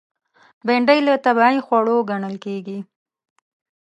بېنډۍ له طبیعي خوړو ګڼل کېږي